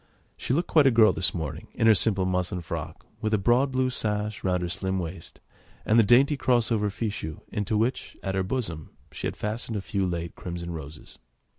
She looked quite a girl this morning in her simple muslin frock, with a broad blue sash round her slim waist, and the dainty cross over fichu into which, at her bosom, she had fastened a few late crimson roses.